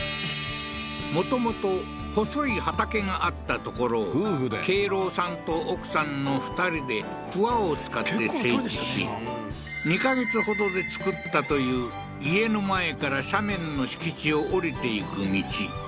もともと細い畑があった所を敬郎さんと奥さんの２人で鍬を使って整地し２か月ほどで造ったという家の前から斜面の敷地を下りていく道